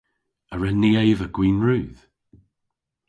A wren ni eva gwin rudh?